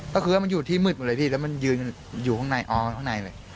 ก็คือว่ามันอยู่ที่มืดหมดเลยพี่แล้วมันยืนอยู่ข้างในอ๋อข้างในเลย